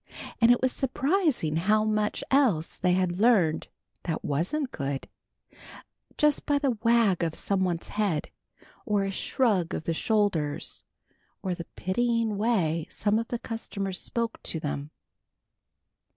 And it was surprising how much else they had learned that wasn't good, just by the wag of somebody's head, or a shrug of the shoulders or the pitying way some of the customers spoke to them.